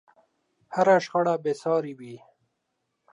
هره شخړه بې سارې وي.